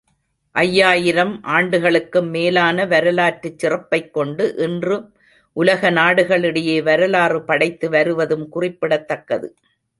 ஐயாயிரம் ஆண்டுகளுக்கும் மேலான வரலாற்றுச் சிறப்பைக் கொண்டு, இன்று உலக நாடுகளிடையே வரலாறு படைத்து வருவதும் குறிப்பிடத் தக்கது.